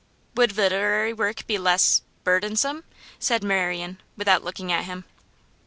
'Would literary work be less burdensome?' said Marian, without looking at him.